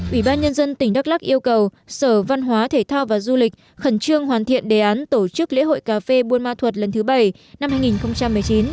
ủy ban nhân dân tỉnh đắk lắc yêu cầu sở văn hóa thể thao và du lịch khẩn trương hoàn thiện đề án tổ chức lễ hội cà phê buôn ma thuật lần thứ bảy năm hai nghìn một mươi chín